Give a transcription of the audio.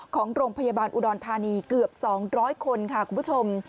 ของโรงพยาบาลอุดรธานีเกือบ๒๐๐คนค่ะคุณผู้ชม